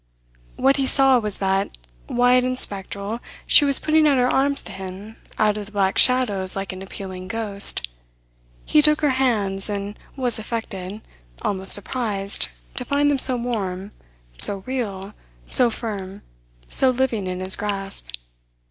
What he saw was that, white and spectral, she was putting out her arms to him out of the black shadows like an appealing ghost. He took her hands, and was affected, almost surprised, to find them so warm, so real, so firm, so living in his grasp.